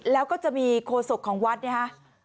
แล้วก็จะมีโฆษกของวัดนะคะ